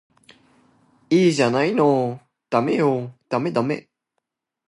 いいじゃないのダメよダメダメ